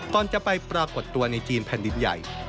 ก่อนจะไปปรากฏตัวในจีนแผ่นดินใหญ่